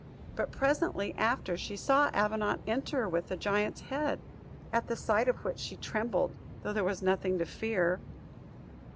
But presently after, she saw Avenant enter with the giant's head; at the sight of which she trembled, though there was nothing to fear.